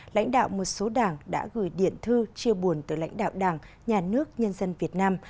lãnh đạo một số đảng đã gửi điện thư chia buồn tới lãnh đạo đảng nhà nước nhân dân việt nam